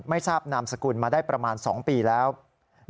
ไม่ทราบนามสกุลมาได้ประมาณ๒ปีแล้ว